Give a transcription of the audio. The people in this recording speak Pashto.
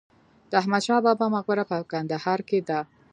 د احمد شاه بابا مقبره په کندهار کې ده